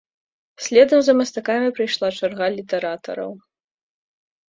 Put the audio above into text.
Следам за мастакамі прыйшла чарга літаратараў.